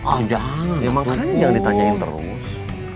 emang tanya jangan ditanyain terus